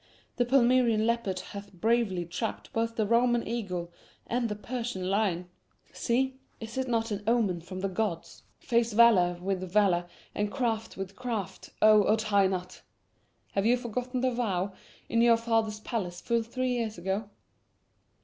"The Palmyrean leopard hath bravely trapped both the Roman eagle and the Persian lion. See, is it not an omen from the gods? Face valor with valor and craft with craft, O Odhainat! Have you forgotten the vow in your father's palace full three years ago?"